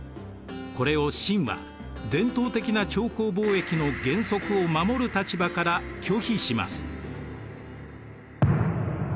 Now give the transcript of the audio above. これを清は伝統的な朝貢貿易の原則を守る立場から拒否します。